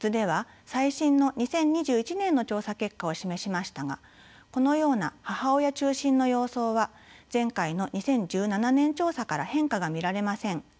図では最新の２０２１年の調査結果を示しましたがこのような母親中心の様相は前回の２０１７年調査から変化が見られません。